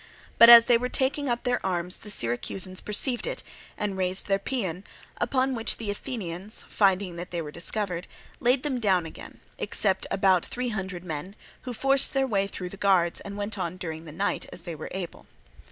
But as they were taking up their arms the Syracusans perceived it and raised their paean, upon which the Athenians, finding that they were discovered, laid them down again, except about three hundred men who forced their way through the guards and went on during the night as they were able.